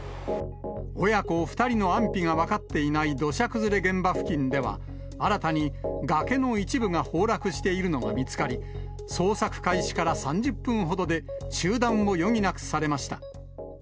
親子２人の安否が分かっていない土砂崩れ現場付近では、新たに崖の一部が崩落しているのが見つかり、捜索開始から３０分ほどで、中断を余儀なくされました。